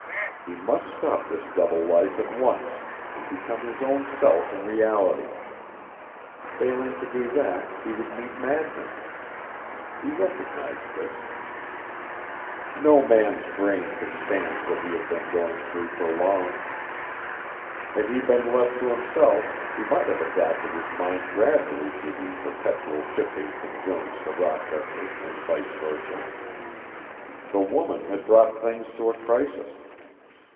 He must stop this double life at once and become his own self in reality; failing to do that he would meet madness. He recognised this. No man's brain could stand what he had been going through for long; had he been left to himself he might have adapted his mind gradually to the perpetual shifting from Jones to Rochester and vice versa. The woman had brought things to a crisis.